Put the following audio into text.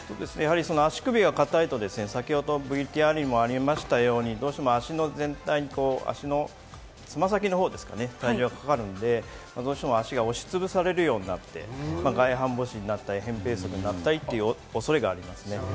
足首が硬いとＶＴＲにもありましたように、どうしても足の全体に足の爪先の方ですかね、体重がかかるので、どうしても足が押しつぶされるようになって外反母趾になったり扁平足になったりという恐れがあります。